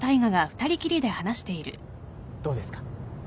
どうですか？